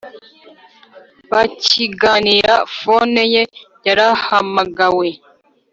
bakiganira fone ye yarahamagawe